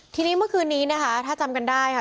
ทีนี้เมื่อคืนนี้นะคะถ้าจำกันได้ค่ะ